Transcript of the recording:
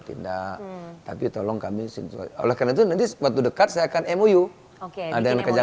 tidak tapi tolong kami sini oleh karena itu nanti waktu dekat saya akan mou oke ada yang kerja